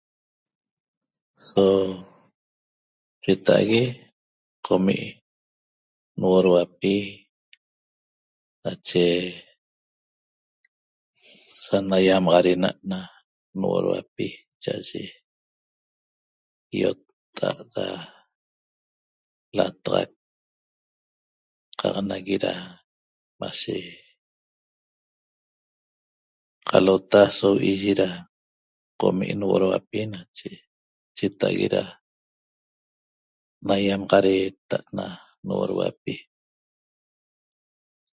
So cheta'ague qomi nuoduapi nache sanaýamaxadena't na nuoduapi cha'aye ýotta'a't da lataxac qaq nagui da mashe qalota so vi'i'yi da qomi' nuoduapi nache cheta'ague da naiamaxadeeta't na nuoduapi